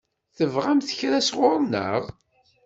Tebɣamt kra sɣur-neɣ?